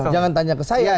jangan tanya ke saya